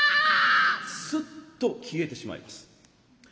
スッと消えてしまいます。